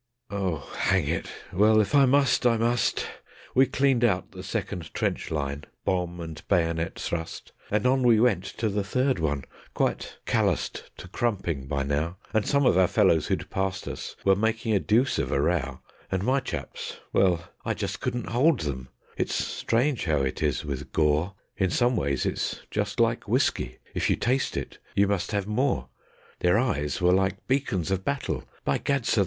... Oh, hang it! Well, if I must, I must. We cleaned out the second trench line, bomb and bayonet thrust; And on we went to the third one, quite calloused to crumping by now; And some of our fellows who'd passed us were making a deuce of a row; And my chaps well, I just couldn't hold 'em; (It's strange how it is with gore; In some ways it's just like whiskey: if you taste it you must have more.) Their eyes were like beacons of battle; by gad, sir!